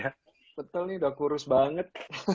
betul nih udah kurus banget